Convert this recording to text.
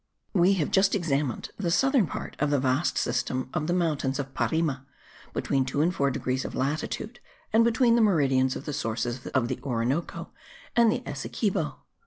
We have just examined the southern part of the vast system of the mountains of Parime, between 2 and 4 degrees of latitude, and between the meridians of the sources of the Orinoco and the Essequibo.